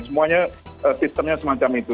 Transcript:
semuanya sistemnya semacam itu